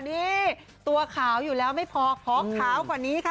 นี่ตัวขาวอยู่แล้วไม่พอขอขาวกว่านี้ค่ะ